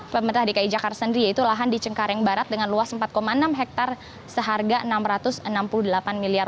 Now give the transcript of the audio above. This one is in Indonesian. pemerintah dki jakarta sendiri yaitu lahan di cengkareng barat dengan luas empat enam hektare seharga rp enam ratus enam puluh delapan miliar